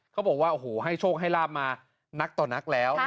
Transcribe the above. เขาบอกว่าโอ้โหให้โชคให้ลาบมานักต่อนักแล้ว